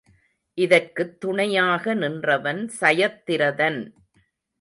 இதற்குத் துணையாக நின்றவன் சயத்திரதன்.